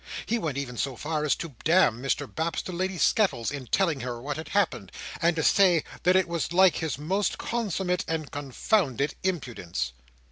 He even went so far as to D— Mr Baps to Lady Skettles, in telling her what had happened, and to say that it was like his most con sum mate and con foun ded impudence.